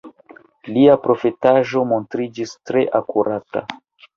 Lia profetaĵo montriĝis tre akurata.